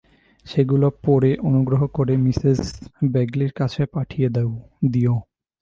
সেগুলো পড়ে অনুগ্রহ করে মিসেস ব্যাগলির কাছে পাঠিয়ে দিও।